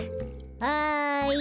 はい。